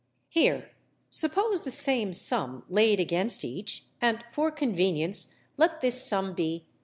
Here, suppose the same sum laid against each, and for convenience let this sum be 84_l.